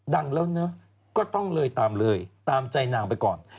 ดังแล้วนะก็ต้องเลยตามเลยตามใจนางไปก่อน